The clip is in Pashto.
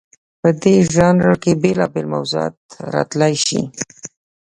په دې ژانر کې بېلابېل موضوعات راتلی شي.